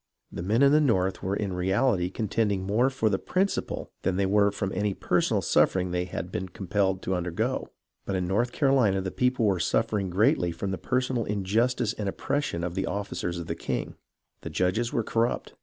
The men in the North were in reality contend ing more for the principle than they were from any per sonal suffering they had been compelled to undergo. But in North Carolina the people were suffering greatly from the personal injustice and oppression of the officers of the king. The judges were corrupt.